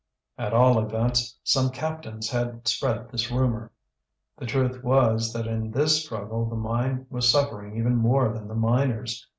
At all events some captains had spread this rumour. The truth was, that in this struggle the mine was suffering even more than the miners.